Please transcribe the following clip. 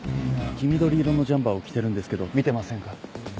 黄緑色のジャンパーを着てるんですけど見てませんか？